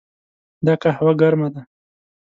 دا قهوه ګرمه ده.